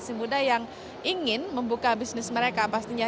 generasi muda yang ingin membuka bisnis mereka pastinya